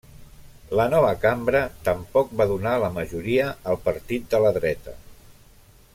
La nova Cambra, tampoc va donar la majoria al Partit de la Dreta.